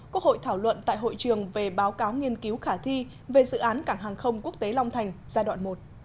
quốc hội thảo luận tại hội trường về báo cáo nghiên cứu khả thi về dự án cảng hàng không quốc tế long thành giai đoạn một